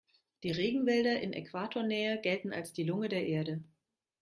Die Regenwälder in Äquatornähe gelten als die Lunge der Erde.